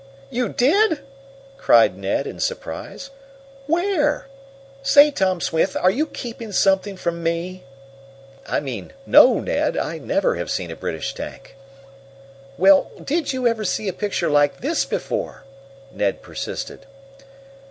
"You did?" Cried Ned, in surprise. "Where? Say, Tom Swift, are you keeping something from me?" "I mean no, Ned. I never have seen a British tank." "Well, did you ever see a picture like this before?" Ned persisted.